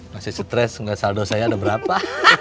masih stres enggak saldo saya ada berapa